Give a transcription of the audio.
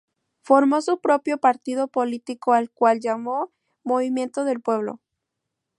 Formó su propio partido político, al cual llamó "Movimiento del pueblo".